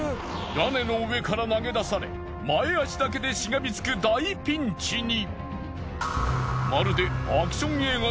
屋根の上から投げ出され前足だけでしがみつく大ピンチに。